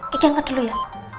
kiki angkat dulu ya